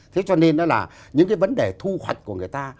thế cho nên đó là những cái vấn đề thu hoạch của người ta